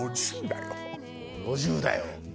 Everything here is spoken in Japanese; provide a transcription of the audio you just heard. ５０だよ？